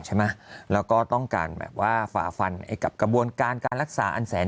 ใช่ไหมแล้วก็ต้องการฝาฟันกับกระบวนการรักษาอันแสน